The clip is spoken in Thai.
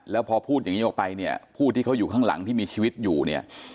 แล้วพอพูดอย่างนี้ออกไปเนี่ยผู้ที่เขาอยู่ข้างหลังที่มีชีวิตอยู่เนี่ย